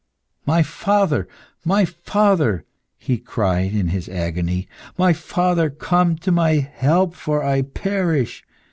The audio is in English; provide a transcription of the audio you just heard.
"My father! my father!" he cried in his agony. "My father! come to my help, for I perish.